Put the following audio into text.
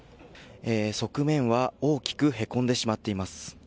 側面は大きくへこんでしまっています。